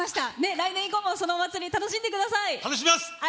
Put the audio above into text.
来年以降もそのお祭り、楽しんでください。